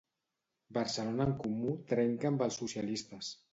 BCNenComú trenca amb els socialistes.